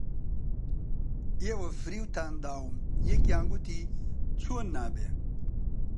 ئێوە فریوتان داوم یەکیان گوتی: چۆن نابێ؟